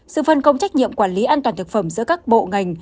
sự phân công trách nhiệm quản lý an toàn thực phẩm giữa các bộ ngành